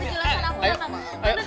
tante dengerin dulu tante